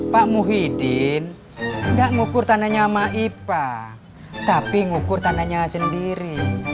pak muhidin gak ngukur tanahnya maipah tapi ngukur tanahnya sendiri